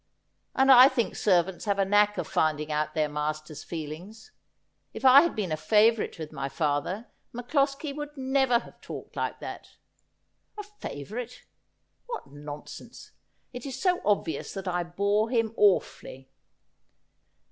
And I think servants have a knack of find ing out their master's feelings. If I had been a favourite with my father, MacCloskie would never have talked like that. A favourite ! What nonsense ! It is so obvious that I bore him awfully.'